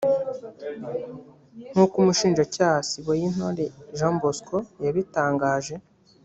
nkuko Umushinjacyaha Siboyintore Jean Bosco yabitangaje